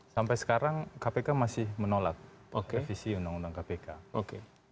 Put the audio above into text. sampai sekarang kpk masih menolak revisi undang undang kpk